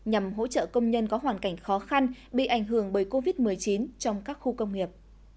nhằm hỗ trợ công nhân có hoàn cảnh khó khăn bị ảnh hưởng bởi covid một mươi chín trong các khu công nghiệp